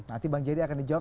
nanti bang jerry akan dijawab